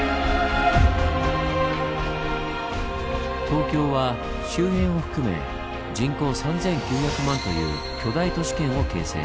東京は周辺を含め人口３９００万という巨大都市圏を形成。